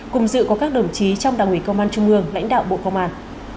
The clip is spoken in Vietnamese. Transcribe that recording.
cùng dự có các đồng chí trong đảng ủy công an trung ương lãnh đạo bộ công an